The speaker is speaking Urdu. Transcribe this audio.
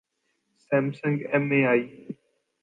Samsung M A E